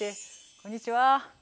こんにちは！